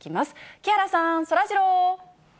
木原さん、そらジロー。